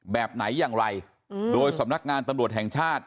แบบไหนอย่างไรโดยสำนักงานตำรวจแห่งชาติ